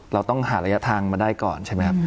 เราต้องหาระยะทางมาได้ก่อนใช่ไหมครับ